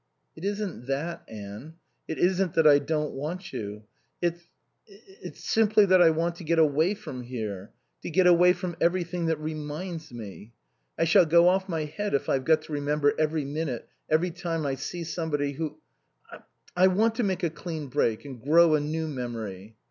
"It isn't that, Anne. It isn't that I don't want you. It's it's simply that I want to get away from here, to get away from everything that reminds me I shall go off my head if I've got to remember every minute, every time I see somebody who I want to make a clean break and grow a new memory."